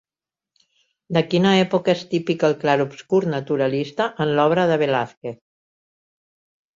De quina època és típic el clarobscur naturalista en l'obra de Velázquez?